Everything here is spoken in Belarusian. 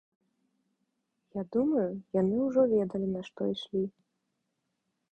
Я думаю, яны ўжо ведалі, на што ішлі.